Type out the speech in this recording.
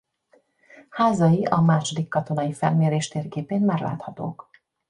Házai a második katonai felmérés térképén már láthatók.